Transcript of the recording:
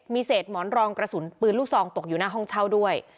มีเศษหมอนรองกระสุนปืนลูกซองตกอยู่หน้าห้องเช่าด้วย